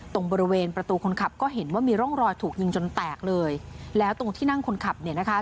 ตรงบริเวณประตูคนขับก็เห็นว่ามีร่องรอยถูกยิงจนแตกเลยแล้วตรงที่นั่งคนขับเนี่ยนะคะ